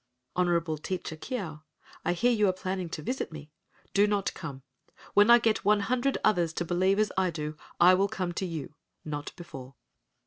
"Honorable teacher Keo,—I hear you are planning to visit me,—do not come! When I get one hundred others to believe as I do I will come to you—not before."